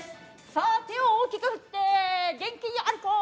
さあ手を大きく振って元気に歩こう！